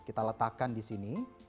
kita letakkan di sini